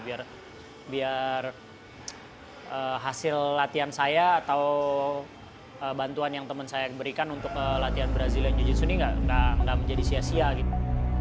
biar hasil latihan saya atau bantuan yang teman saya berikan untuk latihan brazilian jiu jitsu ini gak menjadi sia sia gitu